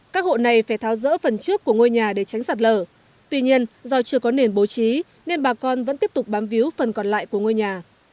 các hộ này phải tháo rỡ phần trước của ngôi nhà để tránh sạt lở tuy nhiên do chưa có nền bố trí nên bà con vẫn tiếp tục bám víu phần còn lại của ngôi nhà